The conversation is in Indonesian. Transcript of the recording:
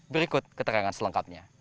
berikut keterangan selengkapnya